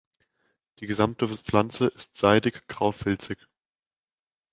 Die gesamte Pflanze ist seidig graufilzig.